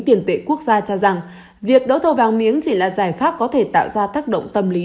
tiền tệ quốc gia cho rằng việc đấu thầu vàng miếng chỉ là giải pháp có thể tạo ra tác động tâm lý